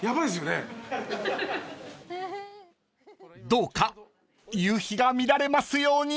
［どうか夕日が見られますように］